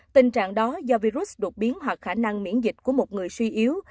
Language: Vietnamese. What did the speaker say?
tình trạng đó do virus đột biến hoặc khả năng miễn dịch của một người suy yếu